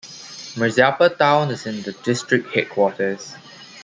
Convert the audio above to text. Mirzapur town is the district headquarters.